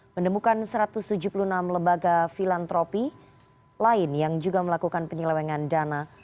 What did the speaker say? menemukan satu ratus tujuh puluh enam lembaga filantropi lain yang juga melakukan penyelewengan dana